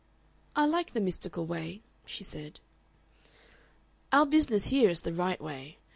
"I like the mystical way," she said. "Our business here is the right way.